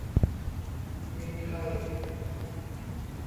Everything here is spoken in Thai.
มีไทย